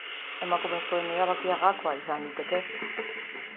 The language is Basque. Emakumezkoen erabakia gakoa izan liteke.